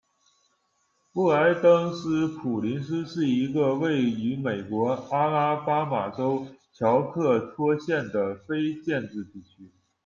布莱登斯普林斯是一个位于美国阿拉巴马州乔克托县的非建制地区。